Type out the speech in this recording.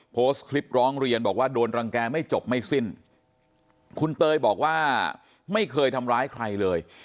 โพสต์คลิปร้องเรียนบอกว่าโดนรังแกไม่จบไม่สิ้นคุณเตยบอกว่าไม่เคยทำร้ายใครเลย